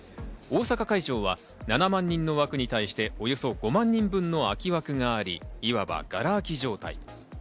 大阪会場は７万人の枠に対しておよそ５万人分の空き枠があり、いわば、がら空き状態。